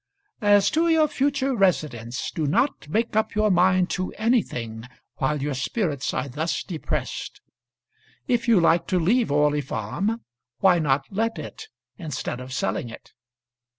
As to your future residence, do not make up your mind to anything while your spirits are thus depressed. If you like to leave Orley Farm, why not let it instead of selling it?